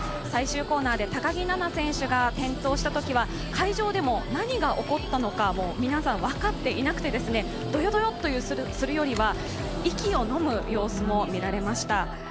最終コーナーで高木菜那選手が転倒したときは会場でも何が起こったのか、皆さん分かっていなくてどよどよっとするよりは息をのむ様子も見られました。